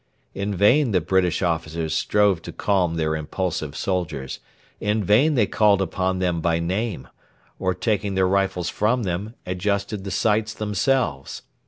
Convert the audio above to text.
In vain the British officers strove to calm their impulsive soldiers. In vain they called upon them by name, or, taking their rifles from them, adjusted the sights themselves.